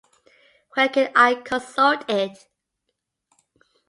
Where can I consult it?